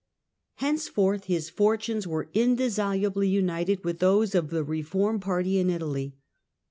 Henceforth, his fortunes were indissolubly united with those of the reform party in Italy.